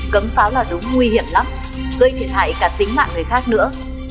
cấm pháo là đúng nguy hiểm lắm gây thiệt hại cả tính mạng người khác nữa